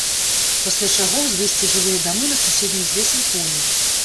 Пасля чаго ўзвесці жылыя дамы на суседнім з лесам полі.